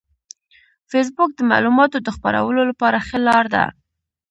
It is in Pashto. فېسبوک د معلوماتو د خپرولو لپاره ښه لار ده